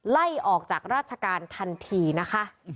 ไล่ออกจากราชการทันทีนะคะ